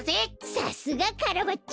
さすがカラバッチョ。